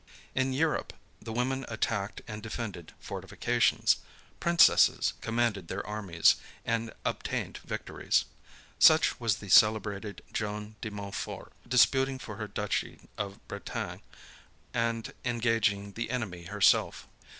In Europe, the women attacked and defended fortifications. Princesses commanded their armies, and obtained victories. Such was the celebrated Joan de Mountfort, disputing for her duchy of Bretagne, and engaging the enemy herself.